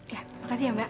ya makasih ya mbak